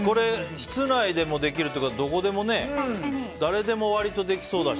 室内でもできるっていうから誰でもどこでも割とできそうだし。